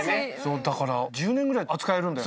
だから１０年ぐらい扱えるんだよ。